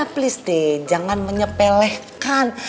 please deh jangan menyepelehkan